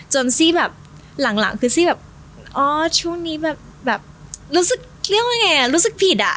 ซี่แบบหลังคือซี่แบบอ๋อช่วงนี้แบบรู้สึกเรียกว่าไงอ่ะรู้สึกผิดอ่ะ